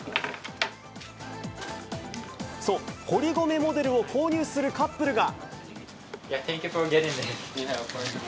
そう、堀米モデルを購入するカップルが。